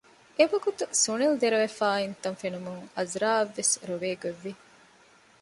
އެވަގުތު ސުނިލް ދެރަވެފައި އިންތަން ފެނުމުން އަޒުރާއަށްވެސް ރޮވޭގޮތްވި